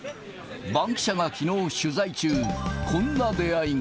バンキシャがきのう取材中、こんな出会いが。